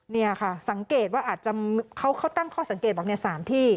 นี่ค่ะสังเกตว่าเขาตั้งข้อสังเกตแบบใน๓ที่